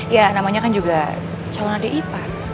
ya namanya kan juga calon adik ipar